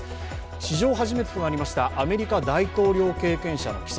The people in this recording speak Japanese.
史上初めてとなりましたアメリカ大統領経験者の起訴。